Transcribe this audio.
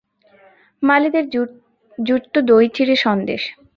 মালীদের জুটত দই চিঁড়ে সন্দেশ।